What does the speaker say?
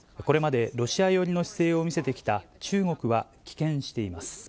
これまでロシア寄りの姿勢を見せてきた中国は棄権しています。